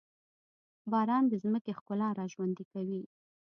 باران د ځمکې ښکلا راژوندي کوي.